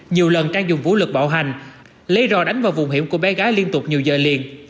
nhiều lần trang dùng vũ lực bạo hành lấy ro đánh vào vùng hiểm của bé gái liên tục nhiều giờ liền